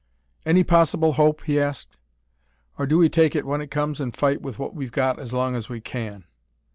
"Any possible hope?" he asked. "Or do we take it when it comes and fight with what we've got as long as we can?